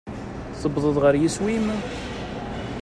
Tewwḍeḍ ɣer yiswi-m?